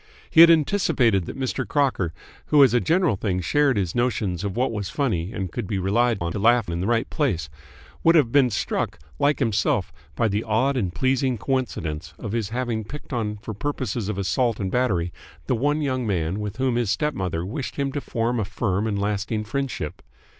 He had anticipated that Mr. Crocker, who as a general thing shared his notions of what was funny and could be relied on to laugh in the right place, would have been struck, like himself, by the odd and pleasing coincidence of his having picked on for purposes of assault and battery the one young man with whom his stepmother wished him to form a firm and lasting friendship.